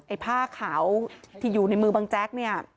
ไอ้ผ้าขาวที่อยู่ในมือบางแจ็ก